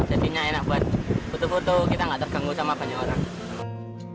jadinya enak buat foto foto kita nggak terganggu sama banyak orang